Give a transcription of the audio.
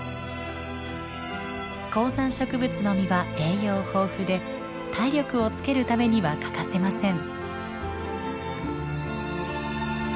高山植物の実は栄養豊富で体力をつけるためには欠かせません。